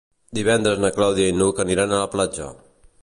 Divendres na Clàudia i n'Hug aniran a la platja.